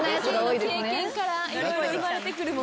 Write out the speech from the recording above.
ご自身の経験から生まれて来る。